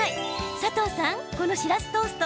佐藤さん、このしらすトースト